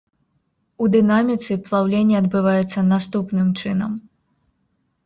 У дынаміцы, плаўленне адбываецца наступным чынам.